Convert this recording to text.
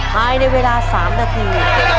ภายในเวลา๓นาที